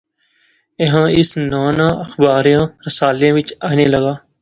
ایہھاں اس ناں ناں اخباریں رسالیا وچ اینے لاغا